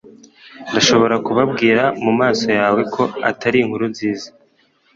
Ndashobora kubabwira mumaso yawe ko atari inkuru nziza